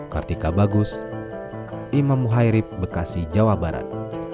kartika bagus imam muhairib bekasi jawa barat